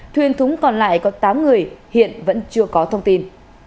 thuyền thúng còn lại có tám người hiện vẫn chưa có thông tin